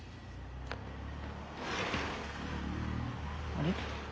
あれ？